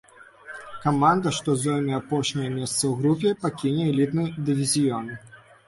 Каманда, што зойме апошняе месца ў групе, пакіне элітны дывізіён.